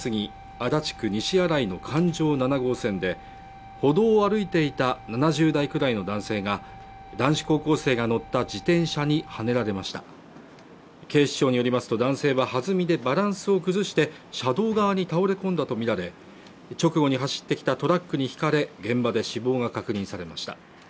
足立区西新井の環状７号線で歩道を歩いていた７０代くらいの男性が男子高校生が乗った自転車にはねられました警視庁によりますと男性は弾みでバランスを崩して車道側に倒れこんだとみられ直後に走ってきたトラックにひかれ現場で死亡が確認されました